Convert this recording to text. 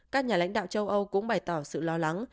các nhà lãnh đạo châu âu cũng bày tỏ sự lo lắng